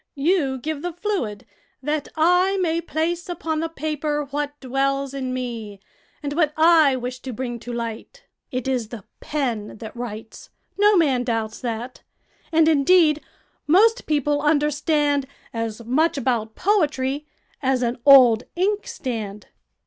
You give the fluid that I may place upon the paper what dwells in me, and what I wish to bring to light. It is the pen that writes: no man doubts that; and, indeed, most people understand as much about poetry as an old inkstand."